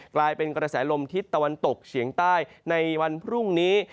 กลายเป็นกระแสลมทิศตะวันตกเฉียงใต้ในวันพรุ่งนี้